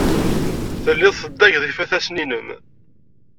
Telliḍ teddageḍ ifatasen-nnem.